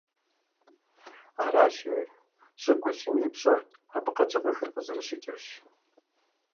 Аращи, щӀыгулъым и пщӀэр абы къэкӀыгъэхэр къызэрыщыкӀырщ.